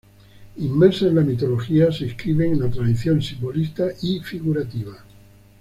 Inmersas en la mitología, se inscriben en la tradición simbolista y figurativa.